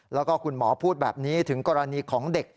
แล้วก็คุณหมอพูดแบบนี้ถึงกรณีของเด็ก